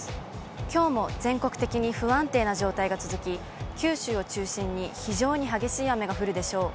きょうも全国的に不安定な状態が続き、九州を中心に非常に激しい雨が降るでしょう。